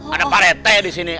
ada pak rete refuge